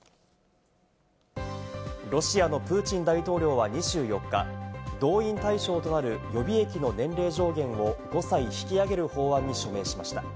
ロシアのプーチン大統領は２４日、動員対象となる予備役の年齢上限を５歳に引き上げる法案に署名しました。